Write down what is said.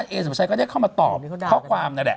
แต่เอสับชัยก็ได้เข้ามาตอบข้อความ